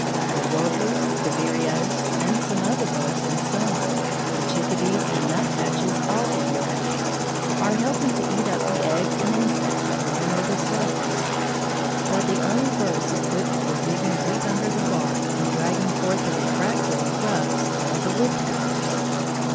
The warblers, the vireos, and some other birds in summer, the chickadees and nuthatches all the year round, are helping to eat up the eggs and insects that lie near the surface, but the only birds equipped for digging deep under the bark and dragging forth the refractory grubs are the woodpeckers.